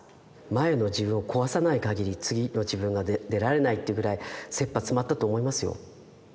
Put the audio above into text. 前の自分を壊さないかぎり次の自分が出られないっていうぐらいせっぱ詰まったと思いますよ。